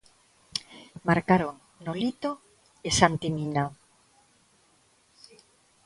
Marcaron Nolito e Santi Mina.